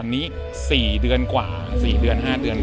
ตอนนี้๔เดือนบ้าง๔๕เดือนบ้าง